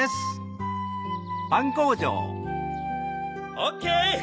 オッケー！